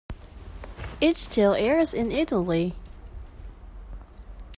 It still airs in Italy.